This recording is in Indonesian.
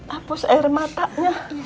hapus air matanya